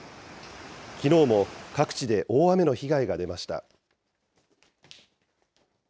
きのうも各地で大雨の被害が出ました。